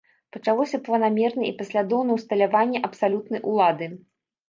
Пачалося планамернае і паслядоўнае ўсталяванне абсалютнай улады.